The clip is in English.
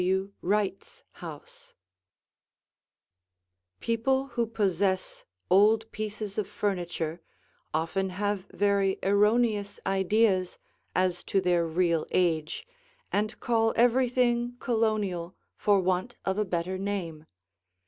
Wright's House People who possess old pieces of furniture often have very erroneous ideas as to their real age and call everything "Colonial" for want of a better name.